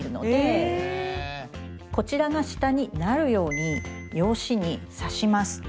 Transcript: こちらが下になるように用紙に刺します。